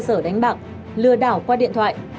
cơ sở đánh bạc lừa đảo qua điện thoại